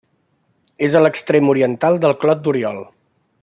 És a l'extrem oriental del Clot d'Oriol.